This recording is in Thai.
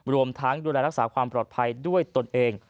รวมทั้งดูแลรักษาความปลอดภัยด้วยตนเอง